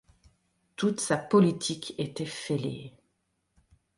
Toute sa politique était fêlée.